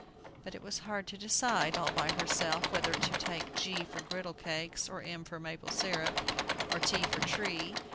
But it was hard to decide, all by herself, whether to take G for griddle cakes, or M for maple syrup, or T for tree.